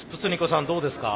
さんどうですか？